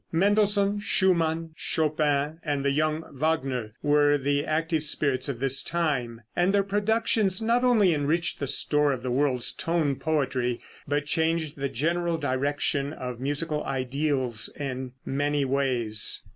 Mendelssohn, Schumann, Chopin and the young Wagner were the active spirits of this time, and their productions not only enriched the store of the world's tone poetry, but changed the general direction of musical ideals in many ways.